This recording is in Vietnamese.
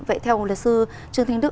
vậy theo lệ sư trương thanh đức